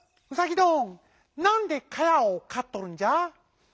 どんなんでかやをかっとるんじゃ？」。